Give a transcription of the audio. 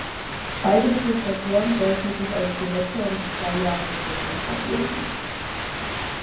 Beide Professoren sollten sich als Direktor im Zweijahresrhythmus ablösen.